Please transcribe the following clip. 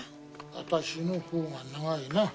私のほうが長いな。